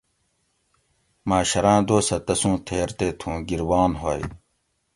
محشراں دوسہ تسوں تھیر تے تُھوں گِربان ھوئی